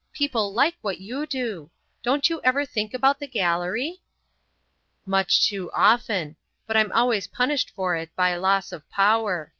People like what you do. Don't you ever think about the gallery?" "Much too often; but I'm always punished for it by loss of power.